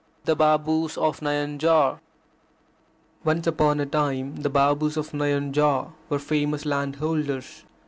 THE BABUS OF NAYANJORE I Once upon a time the Babus of Nayanjore were famous landholders.